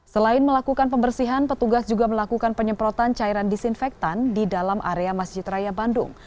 selain melakukan pembersihan petugas juga melakukan penyemprotan cairan disinfektan di dalam area masjid raya bandung